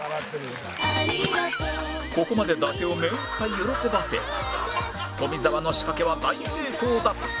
ここまで伊達をめいっぱい喜ばせ富澤の仕掛けは大成功だった